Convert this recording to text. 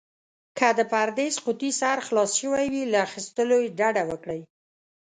که د پرېس قوطي سر خلاص شوی وي، له اخيستلو يې ډډه وکړئ.